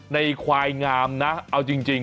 ในควายงามนะเอาจริง